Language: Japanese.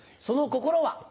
その心は？